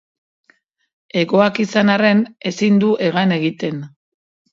Hegoak izan arren ezin du hegan egiten.